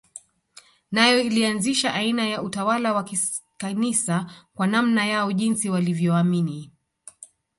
Nayo ilianzisha aina ya utawala wa Kikanisa kwa namna yao jinsi walivyoamini